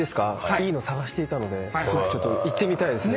いいの探していたので行ってみたいですね。